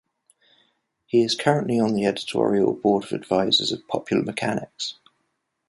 He is currently on the Editorial Board of Advisors of "Popular Mechanics".